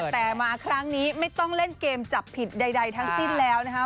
แต่มาครั้งนี้ไม่ต้องเล่นเกมจับผิดใดทั้งสิ้นแล้วนะคะ